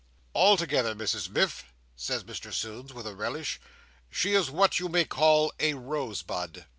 "Altogether, Mrs Miff," says Mr Sownds with a relish, "she is what you may call a rose bud."